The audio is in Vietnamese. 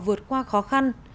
họ vượt qua khó khăn